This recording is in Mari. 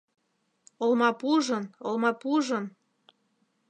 Олмапужын, олмапужын